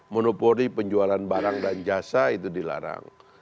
monopori penjualan barang dan jasa itu dilarang